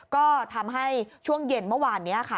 ก็ทำให้ช่วงเย็นเมื่อวานนี้ค่ะ